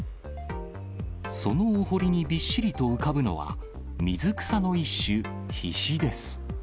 そのお堀にびっしりと浮かぶのは、水草の一種、ヒシです。